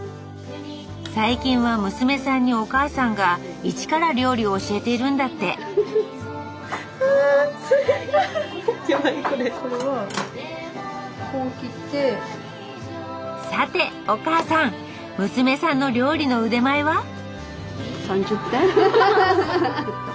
最近は娘さんにお母さんが一から料理を教えているんだってさてお母さん娘さんの料理の腕前は？